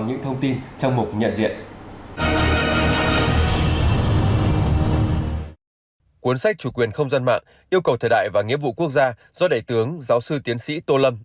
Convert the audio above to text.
cuốn sách chủ quyền không gian mạng yêu cầu thời đại và nghĩa vụ quốc gia do đại tướng giáo sư tiến sĩ tô lâm